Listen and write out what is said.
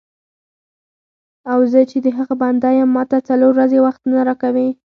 او زه چې د هغه بنده یم ماته څلور ورځې وخت نه راکوې.